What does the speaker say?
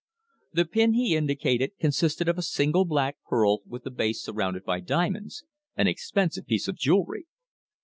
The pin he indicated consisted of a single black pearl with the base surrounded by diamonds, an expensive piece of jewellery.